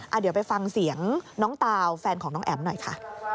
เดี๋ยวไปฟังเสียงน้องตาวแฟนของน้องแอ๋มหน่อยค่ะ